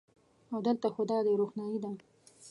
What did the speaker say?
او د لته خو دادی روښنایې ده